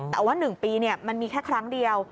แต่ว่า๑ปีมันมีแค่ครั้งเดียว